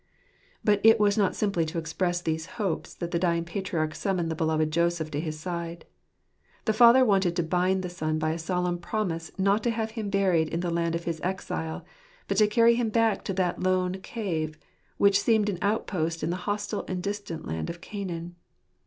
But it was not simply to express these hopes that the dying patriarch summoned the beloved Joseph to his side. The father wanted to bind the son by a solemn promise not to have him buried in the land of his exile, but to carry him back to that lone cave, which seemed an outpost in the hostile and distant land of Canaan.